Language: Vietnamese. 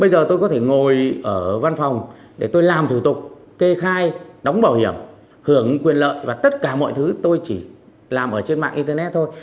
bây giờ tôi có thể ngồi ở văn phòng để tôi làm thủ tục kê khai đóng bảo hiểm hưởng quyền lợi và tất cả mọi thứ tôi chỉ làm ở trên mạng internet thôi